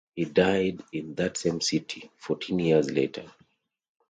He died in that same city, fourteen years later.